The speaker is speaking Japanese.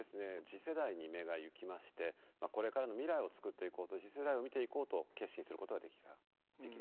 次世代に目が行きましてこれからの未来を作っていこうと次世代を見ていこうと決心することができた時期でした。